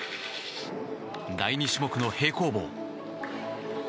第２種目の平行棒。